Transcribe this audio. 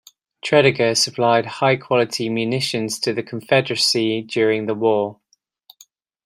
Tredegar supplied high-quality munitions to the Confederacy during the war.